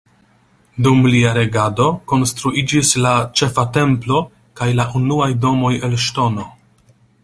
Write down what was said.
Dum lia regado konstruiĝis la Ĉefa Templo kaj la unuaj domoj el ŝtono.